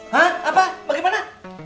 hah apa bagaimana